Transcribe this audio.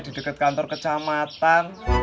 di deket kantor kecamatan